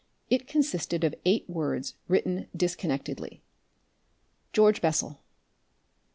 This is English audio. It consisted of eight words written disconnectedly: "George Bessel...